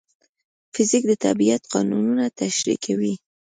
فزیک د طبیعت قانونونه تشریح کوي.